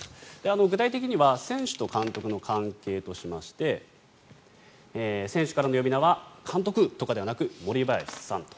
具体的には選手と監督の関係としまして選手からの呼び名は監督とかではなく、森林さんと。